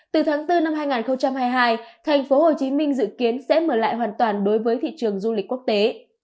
từ tháng bốn năm hai nghìn hai mươi hai thành phố hồ chí minh dự kiến sẽ mở lại hoàn toàn đối với thị trường du lịch quốc tế